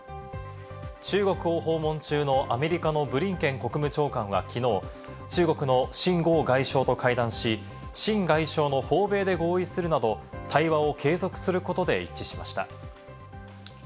中国を訪問中のアメリカのブリンケン国務長官はきのう、中国のシン・ゴウ外相と会談し、シン外相の訪米で合意するなど、対話を継続することで一致しました。